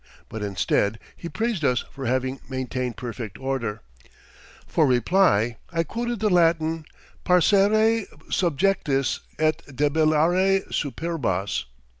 But instead he praised us for having maintained perfect order. For reply I quoted the Latin, '_Parcere subjectis, et debellare superbos.